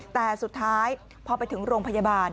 แต่สุดท้ายพอไปถึงโรงพยาบาล